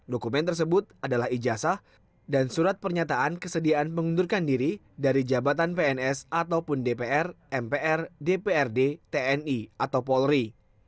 dokumen tersebut adalah ijazah dan surat pernyataan kesediaan mengundurkan diri dari jabatan pns ataupun dpr mpr dprd tni atau polri